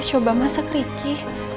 coba masa keriki